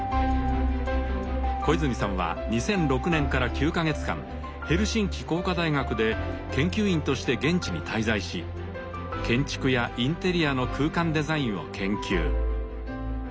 小泉さんは２００６年から９か月間ヘルシンキ工科大学で研究員として現地に滞在し建築やインテリアの空間デザインを研究。